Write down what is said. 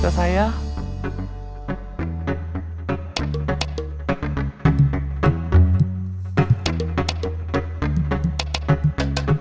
sebentar ya kang